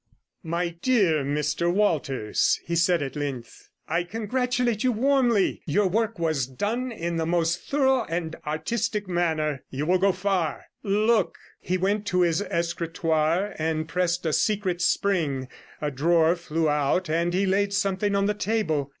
'My dear Mr Walters,' he said at length, 'I congratulate you warmly; your work was done in the most thorough and artistic manner. You will go far. Look.' He went to his escritoire and pressed a secret spring; a drawer flew out, and he laid something on the table.